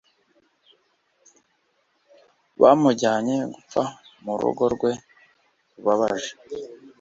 bamujyanye gupfa mu rugo rwe rubabaje